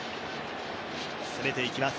攻めていきます。